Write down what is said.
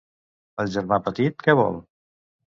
El germà petit, què vol?